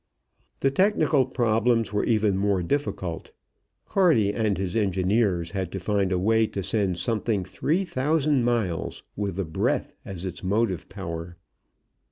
The technical problems were even more difficult. Carty and his engineers had to find a way to send something three thousand miles with the breath as its motive power.